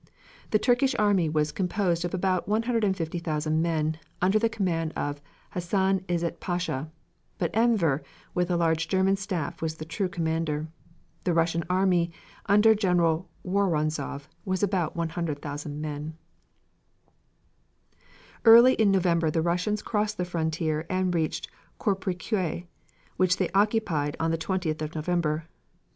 The Turkish army was composed of about 150,000 men under the command of Hassan Izzet Pasha, but Enver, with a large German staff was the true commander. The Russian army, under General Woronzov was about 100,000 men. Early in November the Russians crossed the frontier and reached Koprikeui, which they occupied on the 20th of November.